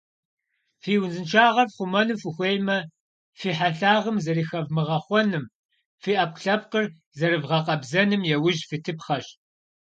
Фи узыншагъэр фхъумэну фыхуеймэ, фи хьэлъагъэм зэрыхэвмыгъэхъуэным, фи Ӏэпкълъэпкъыр зэрывгъэкъэбзэным яужь фитыпхъэщ.